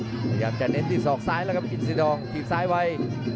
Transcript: พยายามเจแล้วนะครับอิสิดองจีบซ้ายไว